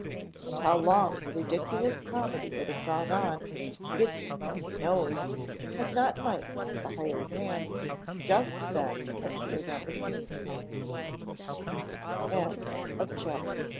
And how long the ridiculous comedy would have gone on goodness only knows, had not Mike, the hired hand, just then appeared on the scene.